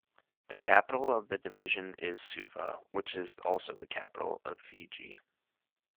The capital of the division is Suva, which is also the capital of Fiji.